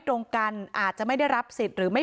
พี่สาวบอกว่าไม่ได้ไปกดยกเลิกรับสิทธิ์นี้ทำไม